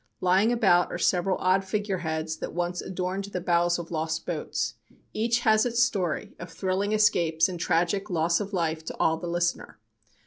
Lying about are several odd figureheads that once adorned the bows of lost boats. Each has its story of thrilling escapes and tragic loss of life to awe the listener.